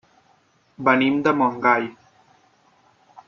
Venim de Montgai.